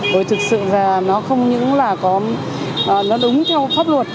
rồi thực sự là nó không những là có nó đúng theo pháp luật